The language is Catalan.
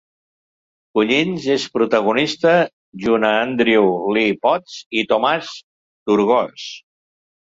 Collins és protagonista junt a Andrew Lee Potts i Thomas Turgoose.